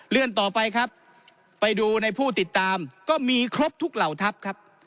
เรื่องต่อไปครับไปดูในผู้ติดตามก็มีครบทุกเหล่าทัพครับ